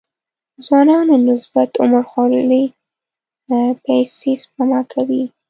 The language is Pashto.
ځوانانو نسبت عمر خوړلي پيسې سپما کوي.